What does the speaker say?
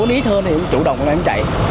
em uống ít hơn thì em chủ động là em chạy